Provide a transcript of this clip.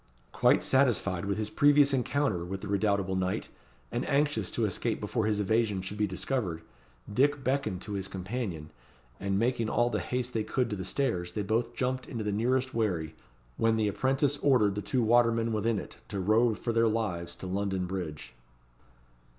Quite satisfied with his previous encounter with the redoubtable knight, and anxious to escape before his evasion should be discovered, Dick beckoned to his companion, and, making all the haste they could to the stairs, they both jumped into the nearest wherry, when the apprentice ordered the two watermen within it to row for their lives to London bridge.